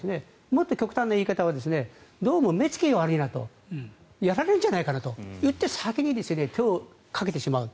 もっと極端な言い方はどうも目付きが悪いなとやられるんじゃないかといって先に手をかけてしまう。